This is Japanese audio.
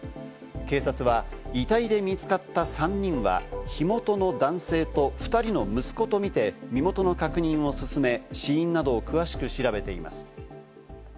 警察は遺体で見つかった３人は火元の男性と２人の息子とみて身元の確認を進め、死因などを詳しく調べています。